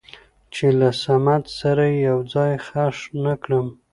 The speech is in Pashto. چې له صمد سره يې يو ځاى خښ نه کړم.